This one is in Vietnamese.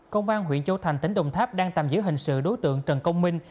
công an huyện châu thành tỉnh đồng tháp đang tạm giữ hình sự đối tượng trần công minh